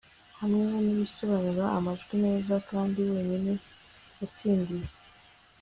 hamwe nibisobanuro amajwi meza kandi wenyine yatsindiye